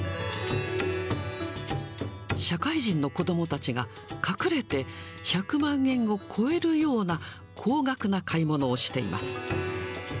社会人の子どもたちが、隠れて１００万円を超えるような高額な買い物をしています。